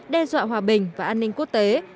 đe dọa hòa bình và an ninh quốc tế